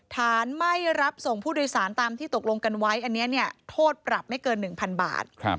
ไม่รับส่งผู้โดยสารตามที่ตกลงกันไว้อันนี้โทษปรับไม่เกิน๑๐๐บาท